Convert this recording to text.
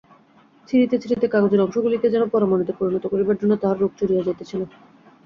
ছিঁড়িতে ছিঁড়িতে কাগজের অংশগুলিকে যেন পরমাণুতে পরিণত করিবার জন্য তাহার রোখ চড়িয়া যাইতেছিল।